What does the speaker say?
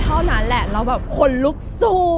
เพราะนั้นแหละเราแบบคนลุกสู้